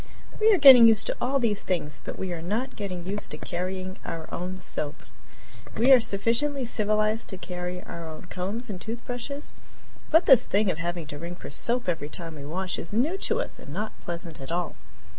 We are getting used to all these things, but we are not getting used to carrying our own soap. We are sufficiently civilized to carry our own combs and toothbrushes, but this thing of having to ring for soap every time we wash is new to us and not pleasant at all.